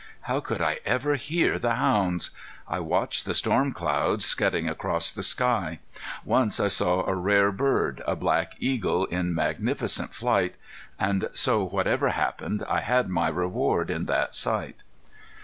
How could I ever hear the hounds? I watched the storm clouds scudding across the sky. Once I saw a rare bird, a black eagle in magnificent flight; and so whatever happened I had my reward in that sight.